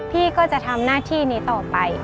พี่ก็จะทำหน้าที่นี้ต่อไป